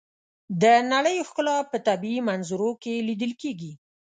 د نړۍ ښکلا په طبیعي منظرو کې لیدل کېږي.